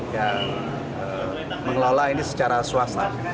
yang mengelola ini secara swasta